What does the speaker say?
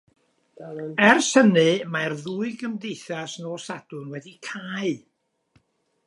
Ers hynny mae'r ddwy gymdeithas nos Sadwrn wedi cau.